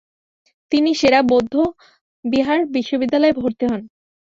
তিনি সে-রা বৌদ্ধবিহার বিশ্ববিদ্যালয়ে ভর্তি হন।